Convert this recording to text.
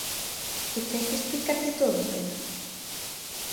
¿É que hai que explicarlle todo, Pedro?